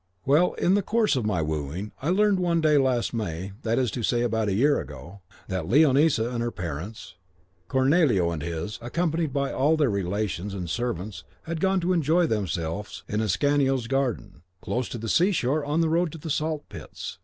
"Well, in the course of my wooing, I learned one day last May, that is to say, about a year ago, that Leonisa and her parents, Cornelio and his, accompanied by all their relations and servants had gone to enjoy themselves in Ascanio's garden, close to the sea shore on the road to the Saltpits.